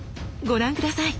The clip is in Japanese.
ご覧下さい。